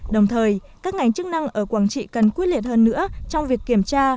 đồng thời các ngành chức năng ở quảng trị cần quyết liệt hơn nữa trong việc kiểm tra